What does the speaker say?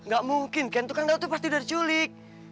nggak mungkin ken tukang daun tuh pasti udah diculik